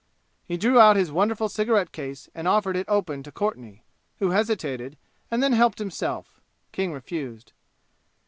He drew out his wonderful cigarette case and offered it open to Courtenay, who hesitated, and then helped himself. King refused.